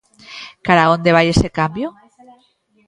Cara a onde vai este cambio?